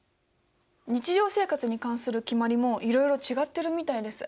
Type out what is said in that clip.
日常生活に関する決まりもいろいろ違ってるみたいです。